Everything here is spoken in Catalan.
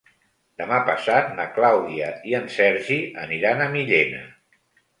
Demà passat na Clàudia i en Sergi aniran a Millena.